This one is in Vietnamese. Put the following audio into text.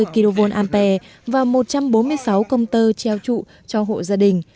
bốn trăm năm mươi kv ampere và một trăm bốn mươi sáu công tơ treo trụ cho hộ gia đình